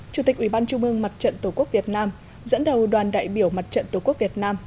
chủ tịch ủy ban trung mương mặt trận tổ quốc việt nam dẫn đầu đoàn đại biểu mặt trận tổ quốc việt nam